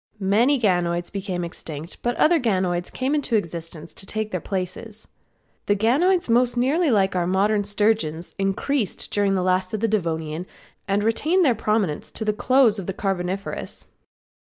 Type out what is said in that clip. Many ganoids became extinct, but other ganoids came into existence to take their places. The ganoids most nearly like our modern sturgeons increased during the last of the Devonian and retained their prominence to the close of the Carboniferous.